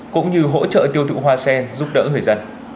cũng như hỗ trợ tiêu thụ hoa sen giúp đỡ người dân